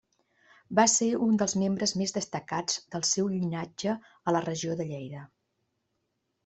Va ser un dels membres més destacats del seu llinatge a la regió de Lleida.